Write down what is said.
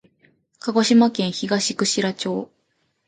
鹿児島県東串良町